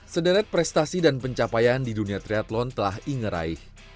sederet prestasi dan pencapaian di dunia triathlon telah inge raih